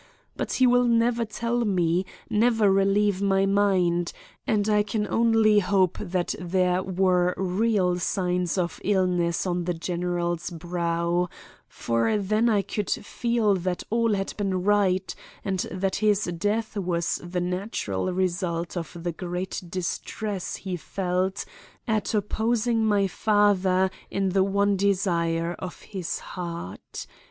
But he will never tell me, never relieve my mind, and I can only hope that there were real signs of illness on the general's brow; for then I could feel that all had been right and that his death was the natural result of the great distress he felt at opposing my father in the one desire of his heart.